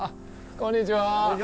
こんにちは！